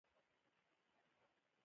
آیا دا یو نوی اقتصادي سکتور نه دی؟